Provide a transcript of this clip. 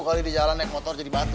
kalau di jalan naik motor jadi batu